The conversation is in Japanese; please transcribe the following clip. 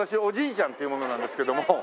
おじいちゃんっていう者なんですけども。